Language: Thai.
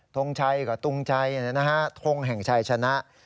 ทงใจก็ตรงใจนะฮะทงแห่งใจชนะ